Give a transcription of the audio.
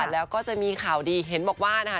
แล้วก็จะมีข่าวดีเห็นบอกว่านะคะ